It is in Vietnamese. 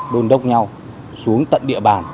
đôn đốc nhau xuống tận địa bàn